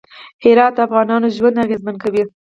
هرات د افغانانو ژوند اغېزمن کوي.